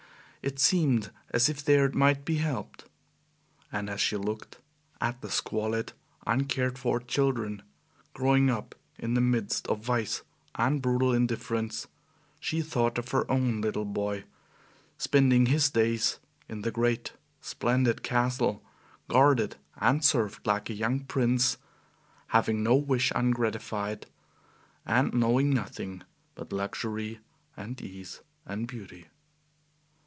It seemed as if there it might be helped. And as she looked at the squalid, uncared for children growing up in the midst of vice and brutal indifference, she thought of her own little boy spending his days in the great, splendid castle, guarded and served like a young prince, having no wish ungratified, and knowing nothing but luxury and ease and beauty.